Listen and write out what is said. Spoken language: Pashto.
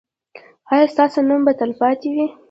ایا ستاسو نوم به تلپاتې وي؟